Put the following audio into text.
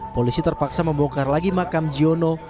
polisi terpaksa membongkar lagi makam jiono